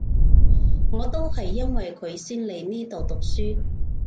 我都係因為佢先嚟呢度讀書